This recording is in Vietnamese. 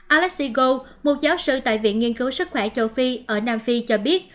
alex siegel một giáo sư tại viện nghiên cứu sức khỏe châu phi ở nam phi cho biết